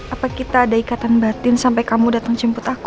apa kita ada ikatan batin sampai kamu datang jemput aku